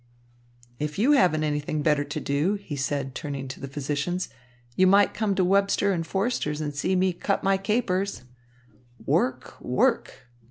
"If you haven't anything better to do," he said, turning to the physicians, "you might come to Webster and Forster's and see me cut my capers. Work! Work!"